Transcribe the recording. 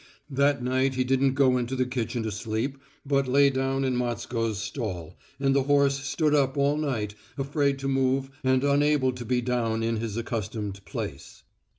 That night he didn't go into the kitchen to sleep, but lay down in Matsko's stall, and the horse stood up all night, afraid to move and unable to be down in his accustomed place.